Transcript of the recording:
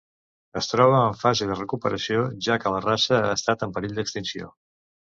Es troba en fase de recuperació, ja que la raça ha estat en perill d'extinció.